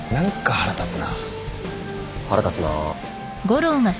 腹立つな。